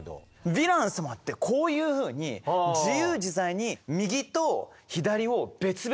ヴィラン様ってこういうふうに自由自在に右と左を別々に動かしてる。